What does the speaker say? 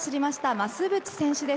増渕選手です。